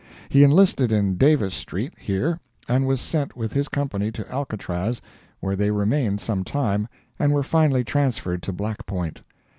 He enlisted in Davis street, here, and was sent with his company to Alcatraz, where they remained some time, and were finally transferred to Black Point.